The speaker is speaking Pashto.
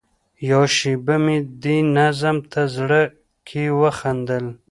یوه شېبه مې دې نظم ته زړه کې وخندل.